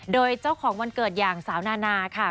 โดยเจ้าของวันเกิดอย่างสาวนานาค่ะ